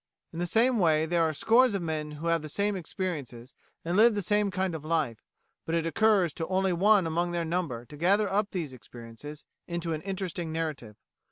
In the same way there are scores of men who have the same experiences and live the same kind of life, but it occurs to only one among their number to gather up these experiences into an interesting narrative.